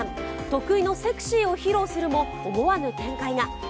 得意のセクシーを披露するも、思わぬ展開が。